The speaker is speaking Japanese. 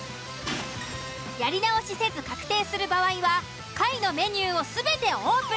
やり直しせず確定する場合は下位のメニューを全てオープン。